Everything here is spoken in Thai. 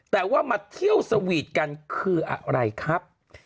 แต่ว่ามาเที่ยวสวีทกันคืออะไรครับ